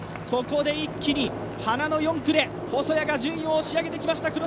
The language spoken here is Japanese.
ここで一気に花の４区で細谷が順位を押し上げてきました